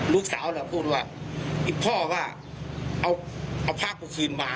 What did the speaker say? ลูกเราก็ขับลบไปบนมา